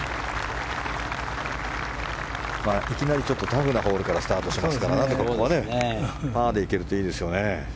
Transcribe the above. いきなりタフなホールからスタートしますからパーでいけるといいですよね。